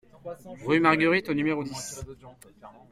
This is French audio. Rue Marguerite au numéro dix